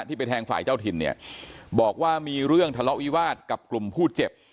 ไปแทงฝ่ายเจ้าถิ่นเนี่ยบอกว่ามีเรื่องทะเลาะวิวาสกับกลุ่มผู้เจ็บ